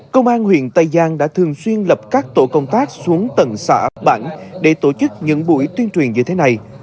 công an huyện tây giang đã thường xuyên lập các tổ công tác xuống tận xã bản để tổ chức những buổi tuyên truyền như thế này